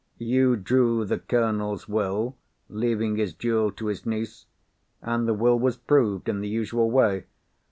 You drew the Colonel's Will leaving his jewel to his niece; and the Will was proved in the usual way.